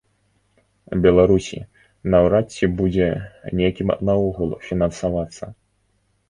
Беларусі, наўрад ці будзе некім наогул фінансавацца.